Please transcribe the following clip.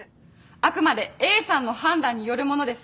あくまでＡさんの判断によるものです。